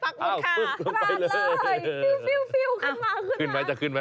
ปลักหมุนค่ะปลักเลยผิวขึ้นมาขึ้นมั้ยขึ้นมั้ย